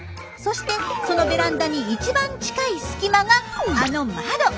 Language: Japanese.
そしてそのベランダに一番近い隙間があの窓。